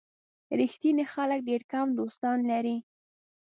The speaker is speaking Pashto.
ریښتیني خلک ډېر کم دوستان لري.